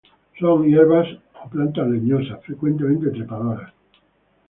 Son hierbas a plantas leñosas, frecuentemente trepadoras.